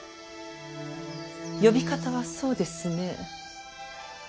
呼び方はそうですね